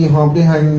họp đi hành